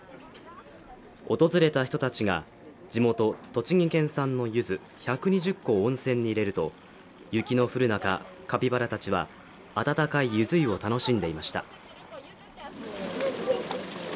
訪れた人たちが、地元・栃木県産のゆず１２０個を温泉に入れると、雪の降る中、カピバラたちは温かいゆず湯を楽しんでいました。